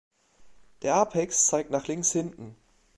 Der Apex zeigt nach links hinten.